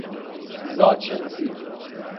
زادشناسی